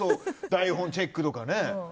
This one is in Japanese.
台本チェックとかは。